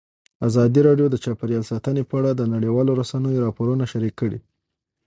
ازادي راډیو د چاپیریال ساتنه په اړه د نړیوالو رسنیو راپورونه شریک کړي.